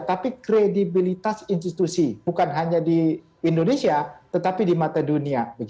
tapi kredibilitas institusi bukan hanya di indonesia tetapi di mata dunia